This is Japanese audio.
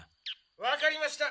・わかりました。